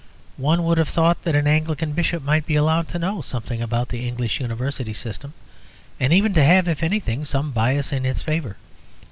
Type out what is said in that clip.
One would have thought that an Anglican Bishop might be allowed to know something about the English University system, and even to have, if anything, some bias in its favour.